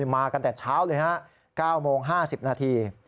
มากันแต่เช้าเลยฮะ๙โมง๕๐นาที